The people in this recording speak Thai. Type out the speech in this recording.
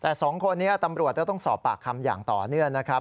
แต่สองคนนี้ตำรวจต้องสอบปากคำอย่างต่อเนื่องนะครับ